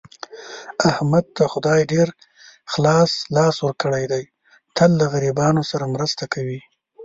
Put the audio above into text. احمد ته خدای ډېر خلاص لاس ورکړی دی، تل له غریبانو سره مرسته کوي.